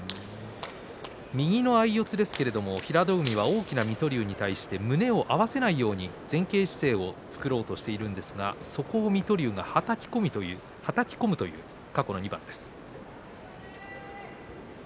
右の相四つですけれども平戸海は大きな水戸龍に対して胸を合わせないように前傾姿勢を作ろうとしているんですがそこを水戸龍が、はたき込むという過去の２番です。